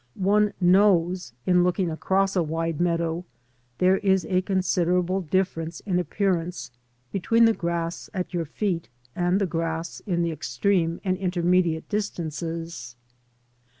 One knows in looking across a wide meadow there is a considerable difference in appearance between the grass at your feet and the grass in the extreme and intermediate distances.